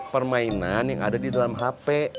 permainan yang ada di dalam hp